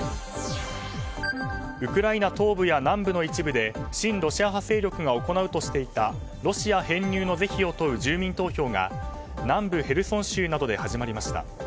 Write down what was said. ウクライナ東部や南部の一部で親ロシア派勢力が行うとしていたロシア編入の是非を問う住民投票が南部ヘルソン州などで始まりました。